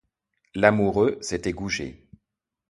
L'amoureux, c'était Goujet.